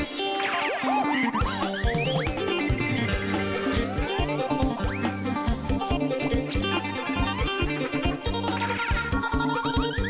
ช่วงปลอดภัณฑ์